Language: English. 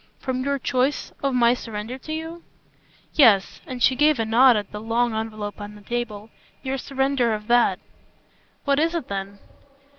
"From your choice of my surrender to you?" "Yes" and she gave a nod at the long envelope on the table "your surrender of that." "What is it then?"